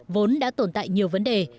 vốn đã tồn tại nhiều vấn đề